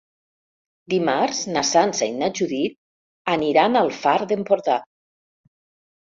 Dimarts na Sança i na Judit aniran al Far d'Empordà.